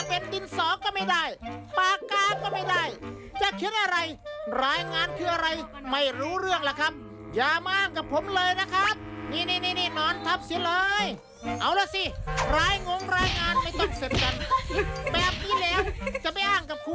ผมคิดถึงพ่อจริงพ่อ